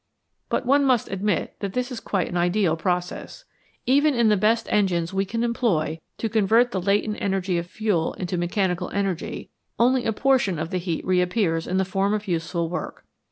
But one must admit that this is quite an ideal process. Even in the best engines we can employ to convert the latent energy of fuel into mechanical energy only a 152 MORE ABOUT FUEL portion of the heat reappears in the form of useful work.